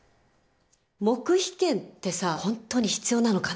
黙秘権ってさ本当に必要なのかな。